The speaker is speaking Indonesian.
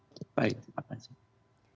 bapak bapak terima kasih sudah bergabung